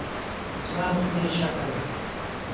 زماملګري ښه خلګ دي